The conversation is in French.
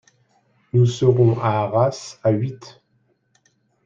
Nous serons à Arras à huit.